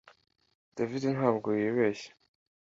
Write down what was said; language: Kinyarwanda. David ntabwo yibeshya